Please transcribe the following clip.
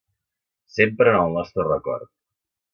Sempre en el nostre record.